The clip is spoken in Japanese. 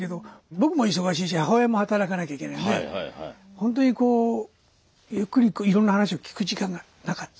僕も忙しいし母親も働かなきゃいけないのでほんとにこうゆっくりいろんな話を聞く時間がなかった。